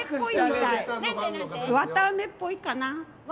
綿あめっぽいかな。